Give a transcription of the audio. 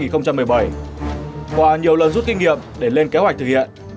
ngoài nhiều lần rút kinh nghiệm để lên kế hoạch thực hiện